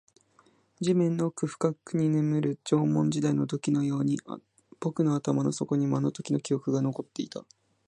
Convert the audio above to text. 地面の奥深くに眠る縄文時代の土器のように、僕の頭の底にもあのときの記憶が残っていた